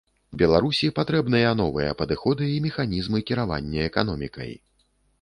Беларусі патрэбныя новыя падыходы і механізмы кіравання эканомікай.